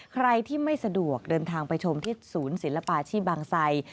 ใครที่ไม่สะดวกเดินทางไปชมที่ศูนย์ศิลปาชีพบางไซ